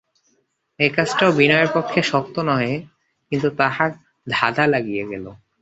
এ কাজটাও বিনয়ের পক্ষে শক্ত নহে, কিন্তু তাহার ধাঁধা লাগিয়া গেল।